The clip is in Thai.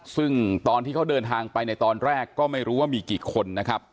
ซึ่งตอนที่เขาเดินทางไปในตอนแรกก็ไม่รู้ว่ามีกี่คนนะครับ